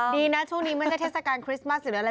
ดีนะช่วงนี้ไม่ได้เทศกาลคริสต์มัสอยู่แล้ว